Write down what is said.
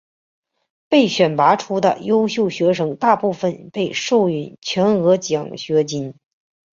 被选拔出的优秀学生大部分被授予全额奖学金。